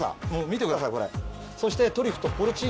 見てくださいこれ。